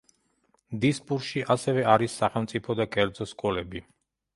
დისპურში ასევე არის სახელმწიფო და კერძო სკოლები.